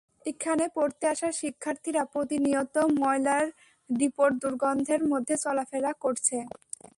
এখানে পড়তে আসা শিক্ষার্থীরা প্রতিনিয়ত ময়লার ডিপোর দুর্গন্ধের মধ্যে চলাফেরা করছে।